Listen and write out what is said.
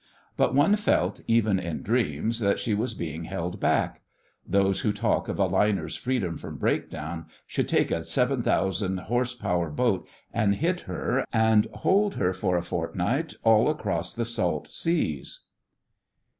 But one felt, even in dreams, that she was being held back. Those who talk of a liner's freedom from breakdown should take a 7,000 horsepower boat and hit her and hold her for a fortnight all across the salt seas.